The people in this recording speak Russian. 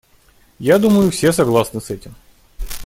Я думаю, все согласны с этим.